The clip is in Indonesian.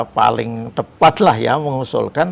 paling tepat lah ya mengusulkan